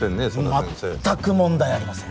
まったく問題ありません